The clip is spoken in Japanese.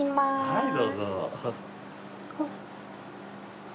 はいどうぞ。